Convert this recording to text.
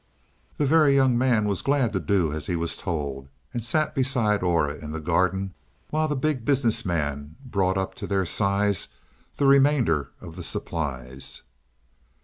The Very Young Man was glad to do as he was told, and sat beside Aura in the garden, while the Big Business Man brought up to their size the remainder of the supplies.